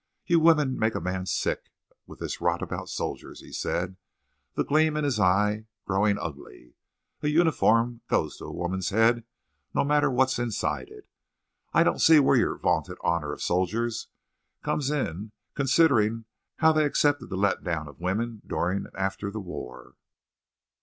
"You women make a man sick with this rot about soldiers," he said, the gleam in his eye growing ugly. "A uniform goes to a woman's head no matter what's inside it. I don't see where your vaunted honor of soldiers comes in considering how they accepted the let down of women during and after the war."